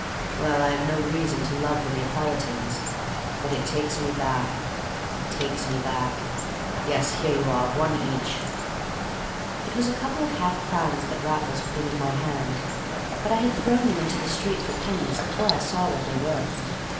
"Well, I have no reason to love the Neapolitans; but it takes me back—it takes me back! Yes, here you are, one each." It was a couple of half crowns that Raffles put into my hand, but I had thrown them into the street for pennies before I saw what they were.